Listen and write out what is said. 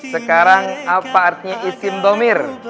sekarang apa artinya izin domir